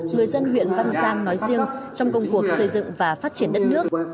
người dân huyện văn giang nói riêng trong công cuộc xây dựng và phát triển đất nước